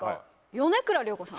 米倉涼子さん。